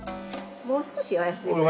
もう少しお安い。